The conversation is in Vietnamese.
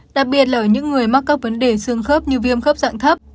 đặc biệt là ở những người mắc các vấn đề sương khớp như viêm khớp dạng thấp